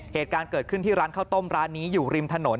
เหตุการณ์เกิดขึ้นที่ร้านข้าวต้มร้านนี้อยู่ริมถนน